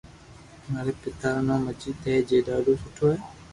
ماري پيتا رو نوم اجيت ھي جي ڌاڌو سٺو ھي